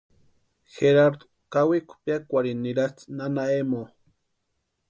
Garardu kawikwa piakwarhini nirasti nana Emoo.